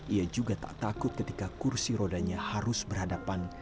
ia juga tak takut ketika kursi rodanya harus berhadapan